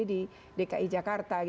di dki jakarta